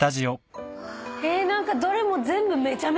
何かどれも。